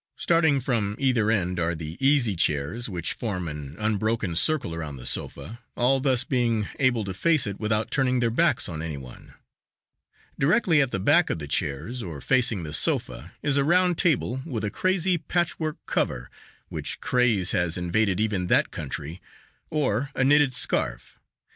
Starting from either end are the easy chairs which form an unbroken circle around the sofa, all thus being able to face it without turning their backs on any one. Directly at the back of the chairs, or facing the sofa, is a round table with a "crazy" patchwork cover which craze has invaded even that country or a knitted scarf.